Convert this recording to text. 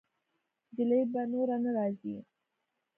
جلۍ به نوره نه راځي.